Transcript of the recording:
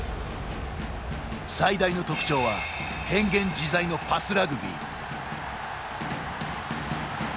最大の特徴は変幻自在のパスラグビー。